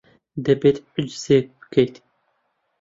دەبێت حجزێک بکەیت.